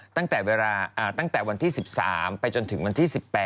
ตั้งแต่วันที่๑๓ไปจนถึงวันที่๑๘